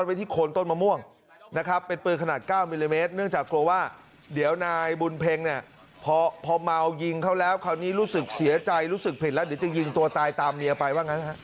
ยิงตัวตายตามเมียไปว่างั้นนะครับ